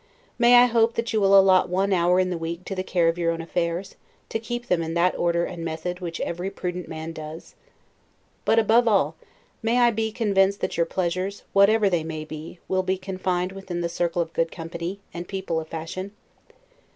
May I hope that you will allot one hour in the week to the care of your own affairs, to keep them in that order and method which every prudent man does? But, above all, may I be convinced that your pleasures, whatever they may be, will be confined within the circle of good company, and people of fashion?